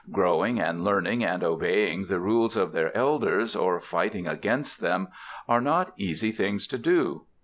Growing and learning and obeying the rules of their elders, or fighting against them, are not easy things to do.